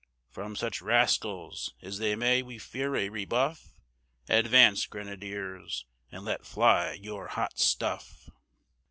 From such rascals as these may we fear a rebuff? Advance, grenadiers, and let fly your Hot Stuff!